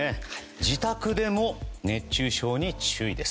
自宅でも熱中症に注意です。